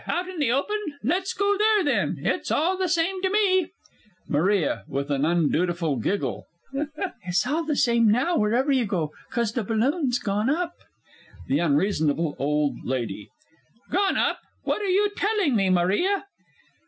Out in the open! Let's go there then it's all the same to me! MARIA (with an undutiful giggle). It's all the same now wherever you go, 'cause the balloon's gone up. THE U. O. L. Gone up! What are you telling me, Maria?